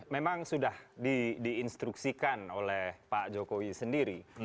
memang sudah diinstruksikan oleh pak jokowi sendiri